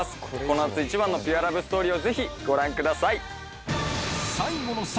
この夏一番のピュアラブストーリーをぜひご覧ください。